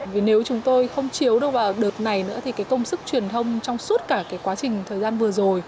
vì nếu chúng tôi không chiếu đâu vào đợt này nữa thì cái công sức truyền thông trong suốt cả cái quá trình thời gian vừa rồi